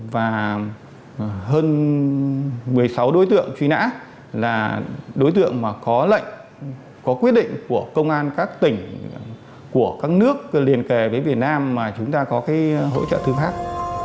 và hơn một mươi sáu đối tượng truy nã là đối tượng mà có lệnh có quyết định của công an các tỉnh của các nước liền kề với việt nam mà chúng ta có cái hỗ trợ thư pháp